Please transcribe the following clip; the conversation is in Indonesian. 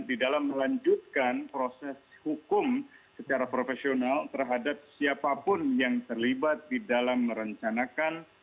di dalam melanjutkan proses hukum secara profesional terhadap siapapun yang terlibat di dalam merencanakan